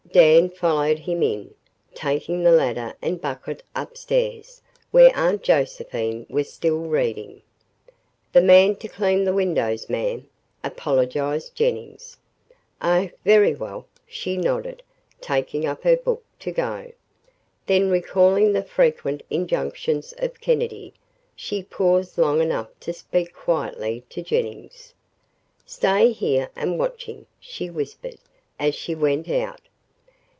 Dan followed him in, taking the ladder and bucket upstairs, where Aunt Josephine was still reading. "The man to clean the windows, ma'am," apologized Jennings. "Oh, very well," she nodded, taking up her book, to go. Then, recalling the frequent injunctions of Kennedy, she paused long enough to speak quietly to Jennings. "Stay here and watch him," she whispered as she went out.